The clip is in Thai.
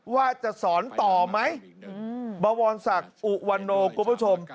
ว่าจะสอนต่อไหมบวรศักดิ์อุวันโนคุณผู้ชม